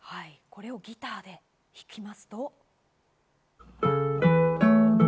これをギターで弾きますと。